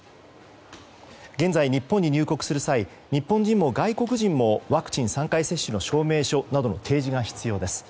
現在、日本に入国する際日本人も外国人もワクチン３回接種の証明書などの提示が必要です。